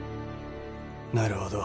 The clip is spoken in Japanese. なるほど。